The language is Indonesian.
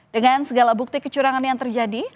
dengan segala bukti kecurangan yang terjadi